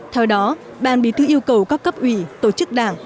theo đó ban bí thư yêu cầu các cấp ủy tổ chức đảng